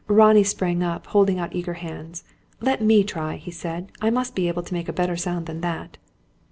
Ronnie sprang up, holding out eager hands. "Let me try," he said. "It must be able to make a better sound than that!"